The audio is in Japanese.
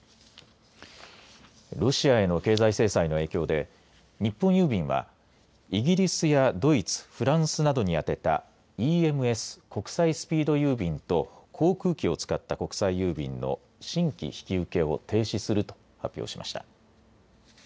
ロシアへの経済制裁の影響で日本郵便はイギリスやドイツフランスなどに宛てたＥＭＳ・国際スピード郵便と航空機を使った国際郵便の新規引き受けを停止すると発表しました。